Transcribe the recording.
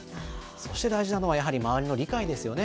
そして大事なのは、やはり周りの理解ですよね。